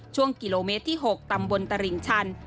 ช่วงกิโลเมตรที่๖ตำบลตลิ่งชัน